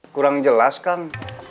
kurang jelas kang